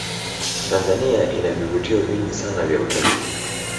tanzania ina vivutio vingi sana vya utalii